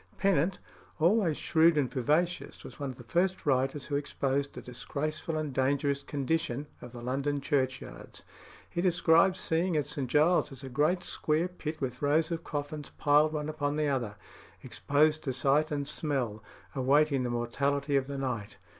Pennant, always shrewd and vivacious, was one of the first writers who exposed the disgraceful and dangerous condition of the London churchyards. He describes seeing at St Giles's a great square pit with rows of coffins piled one upon the other, exposed to sight and smell, awaiting the mortality of the night.